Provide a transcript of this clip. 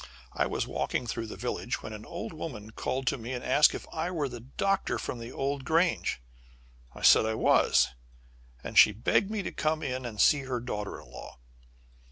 I was walking through the village, when an old woman called to me, and asked if I were the doctor from the old Grange. I said I was, and she begged me to come in and see her daughter in law.